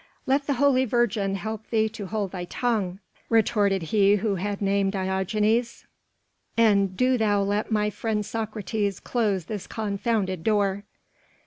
"Let the Holy Virgin help thee to hold thy tongue," retorted he who had name Diogenes, "and do thou let my friend Socrates close this confounded door."